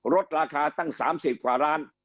ลดราคาตั้ง๓๐กว่าร้าน